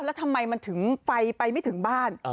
แล้วทำไมมันถึงไฟไปไม่ถึงบ้าน